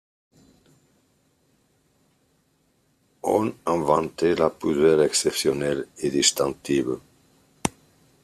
On en vantait la pudeur exceptionnelle et distinctive.